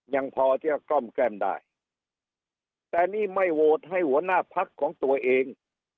ยังพอที่จะกล้อมแกล้มได้แต่นี่ไม่โหวตให้หัวหน้าพักของตัวเอง